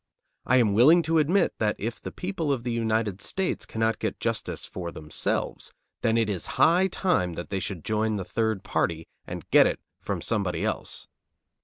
I am willing to admit that if the people of the United States cannot get justice for themselves, then it is high time that they should join the third party and get it from somebody else.